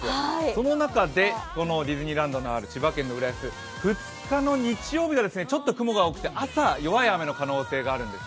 その中でこのディズニーランドのある千葉県・浦安、２日の日曜日がちょっと雲が多くて朝、弱い雨の可能性があるんです。